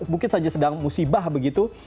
mungkin saja sedang musibah begitu